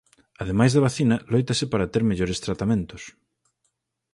Ademais da vacina, lóitase para ter mellores tratamentos.